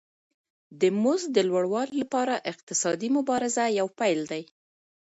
د مزد د لوړوالي لپاره اقتصادي مبارزه یو پیل دی